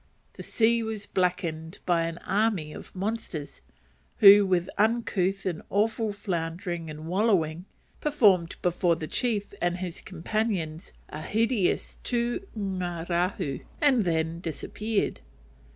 The sea was blackened by an army of monsters, who, with uncouth and awful floundering and wallowing, performed before the chief and his companions a hideous tu ngarahu, and then disappeared.